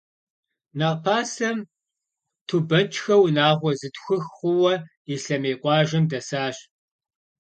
Нэхъ пасэм, Тубэчхэ унагъуэ зытхух хъууэ, Ислъэмей къуажэм дэсащ.